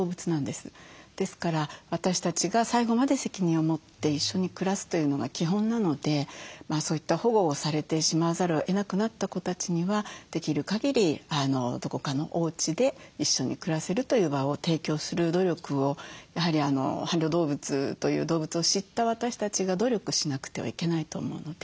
ですから私たちが最後まで責任を持って一緒に暮らすというのが基本なのでそういった保護をされてしまわざるをえなくなった子たちにはできるかぎりどこかのおうちで一緒に暮らせるという場を提供する努力をやはり「伴侶動物」という動物を知った私たちが努力しなくてはいけないと思うので。